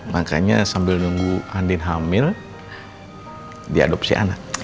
makanya sambil nunggu andin hamil diadopsi anak